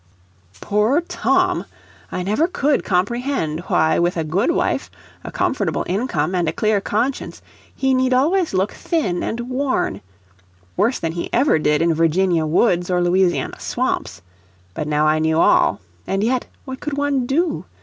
Poor Tom! I never COULD comprehend why with a good wife, a comfortable income, and a clear conscience, he need always look thin and worn worse than he ever did in Virginia woods or Louisiana swamps. But now I knew all. And yet, what could one do?